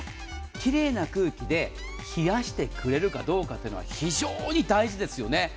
奇麗な空気で冷やしてくれるかどうかって非常に大事ですよね。